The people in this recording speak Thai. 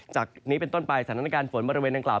จากนี้เป็นต้นไปสถานการณ์ฝนบริเวณดังกล่า